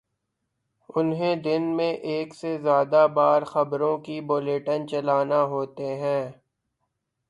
انہیں دن میں ایک سے زیادہ بار خبروں کے بلیٹن چلانا ہوتے ہیں۔